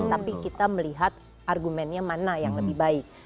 tapi kita melihat argumennya mana yang lebih baik